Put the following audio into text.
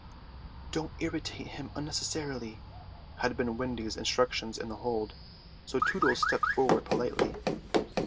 "Don't irritate him unnecessarily," had been Wendy's instructions in the hold; so Tootles stepped forward politely.